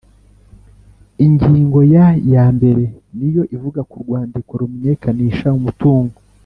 Ingingo ya yambere niyo ivuga k’urwandiko rumenyekanisha umutungo